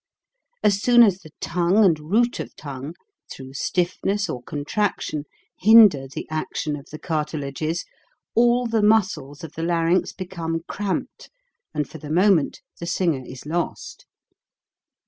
As soon as the tongue and root of tongue through stiffness or contraction hinder the action of the cartilages, all the muscles of the larynx become cramped and for the moment the singer is lost.